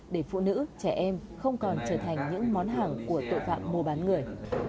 để phụ nữ trẻ em không còn trở thành những món hàng của tội phạm mua bán người